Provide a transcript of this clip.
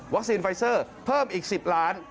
วัคซีนไฟเซอร์เพิ่มอีก๑๐ล้าน